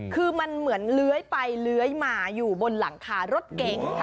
คือมันเหมือนเลื้อยไปเลื้อยมาอยู่บนหลังคารถเก๋ง